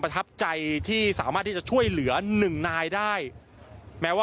ทับใจที่สามารถที่จะช่วยเหลือหนึ่งนายได้แม้ว่า